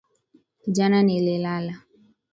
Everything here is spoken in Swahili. Jana nililala